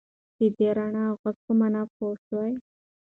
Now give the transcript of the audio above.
دی د رڼا او غږ په مانا پوه شو.